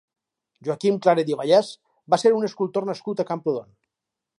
Joaquim Claret i Vallès va ser un escultor nascut a Camprodon.